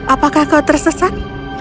apakah kau tersesat